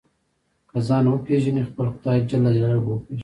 که ځان وپېژنې خپل خدای جل جلاله به وپېژنې.